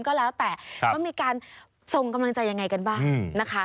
ก็แล้วแต่ว่ามีการส่งกำลังใจยังไงกันบ้างนะคะ